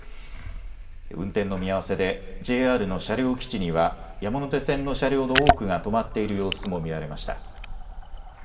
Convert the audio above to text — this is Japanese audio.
運転の見合わせでＪＲの車両基地には山手線の車両の多くが止まっている様子も見られました。